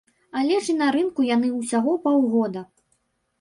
Але ж і на рынку яны ўсяго паўгода.